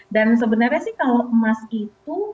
dan sebenarnya sih kalau emas itu